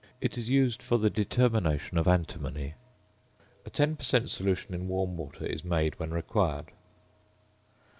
It is used for the determination of antimony. A 10 per cent. solution in warm water is made when required.